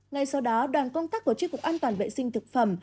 ngày sau đó đoàn công tác của triệu cục an toàn vệ sinh thực phẩm